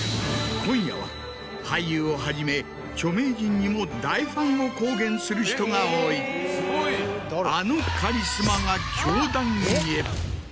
今夜は俳優をはじめ著名人にも大ファンを公言する人が多いあのカリスマが教壇へ。